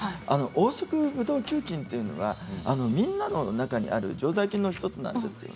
黄色ブドウ球菌というのはみんなの中にある常在菌の１つなんです。